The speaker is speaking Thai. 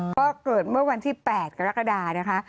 ก็เกิดเมื่อวันที่๘กรกฎานะคะ